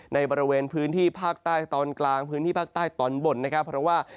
ในบริเวณพื้นที่ภาคใต้ตอนกลางพื้นที่ภาคใต้ตอนบนนะครับเพราะว่า